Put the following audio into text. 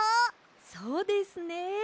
そうですね。